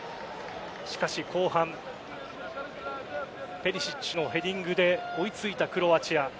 しかし後半ペリシッチのヘディングで追いついたクロアチア。